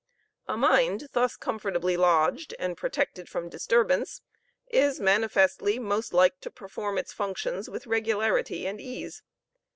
A mind thus comfortably lodged, and protected from disturbance, is manifestly most like to perform its functions with regularly and ease.